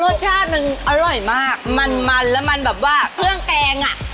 รสชาติมันอร่อยมากมันมันแล้วมันแบบว่าเครื่องแกงอ่ะ